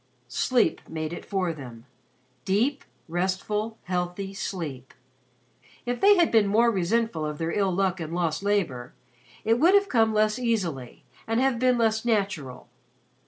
Sleep made it for them deep, restful, healthy sleep. If they had been more resentful of their ill luck and lost labor, it would have come less easily and have been less natural.